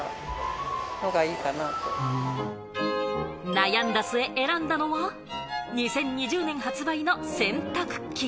悩んだ末、選んだのは２０２０年に発売の洗濯機。